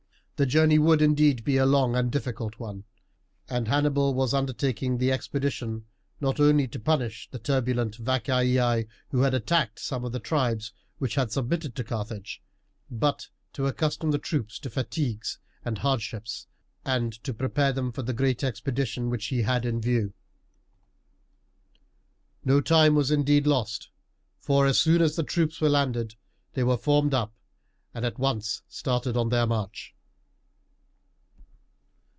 The journey would indeed be a long and difficult one; and Hannibal was undertaking the expedition not only to punish the turbulent Vacaei, who had attacked some of the tribes which had submitted to Carthage, but to accustom the troops to fatigues and hardships, and to prepare them for the great expedition which he had in view. No time was indeed lost, for as soon as the troops were landed they were formed up and at once started on their march.